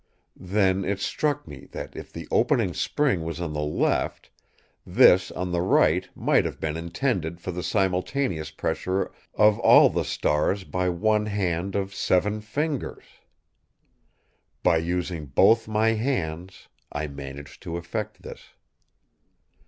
Then it struck me that if the opening spring was on the left, this on the right might have been intended for the simultaneous pressure of all the stars by one hand of seven fingers. By using both my hands, I managed to effect this.